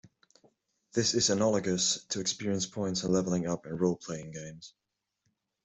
This is analogous to experience points and levelling up in role playing games.